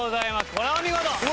これはお見事！